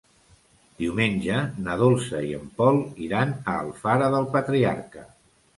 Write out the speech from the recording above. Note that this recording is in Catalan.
Diumenge na Dolça i en Pol iran a Alfara del Patriarca.